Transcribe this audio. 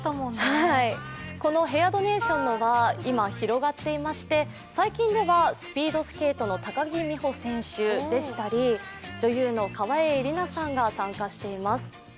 このヘアドネーションの輪、今広がっていまして最近ではスピードスケートの高木美帆選手でしたり、女優の川栄李奈さんが参加しています。